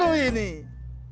aku mau ke kantor